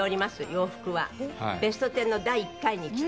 洋服は『ベストテン』の第１回に着て。